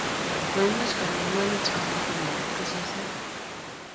Maimuch konai imanit kong'et inendet kosisei